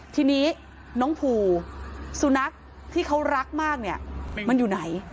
ทีนี้น้องภูสุนัขที่เขารักมากเนี่ยมันอยู่ไหน